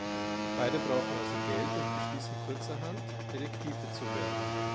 Beide brauchen also Geld und beschließen kurzerhand, Detektive zu werden.